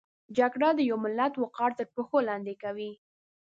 جګړه د یو ملت وقار تر پښو لاندې کوي